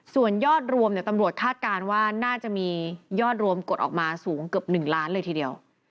ส่วนยอดรวมตำรวจคาดการณ์ว่าน่าจะมียอดรวมกดออกมาสูงเกือบ๑ล้านเลยทีเดียว